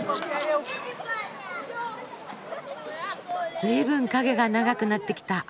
ずいぶん影が長くなってきた。